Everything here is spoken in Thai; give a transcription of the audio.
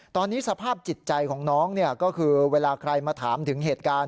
ตอนนี้สภาพจิตใจของน้องก็คือเวลาใครมาถามถึงเหตุการณ์